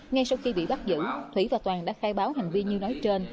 ngay sau khi bị bắt giữ thủy và toàn đã khai báo hành vi như nói trên